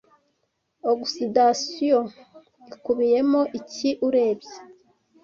Oxidation ikubiyemo iki urebye